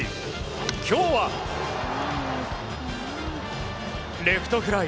今日はレフトフライ。